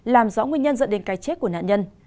làm rõ nguyên nhân dẫn đến cái chết của nạn nhân